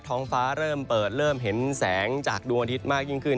ท้องฟ้าเริ่มเปิดเริ่มเห็นแสงจากดวงอาทิตย์มากยิ่งขึ้น